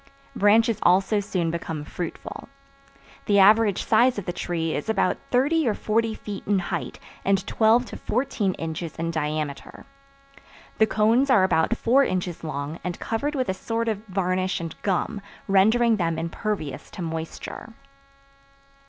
Branches also soon become fruitful. The average size of the tree is about thirty or forty feet in height and twelve to fourteen inches in diameter. The cones are about four inches long and covered with a sort of varnish and gum, rendering them impervious to moisture.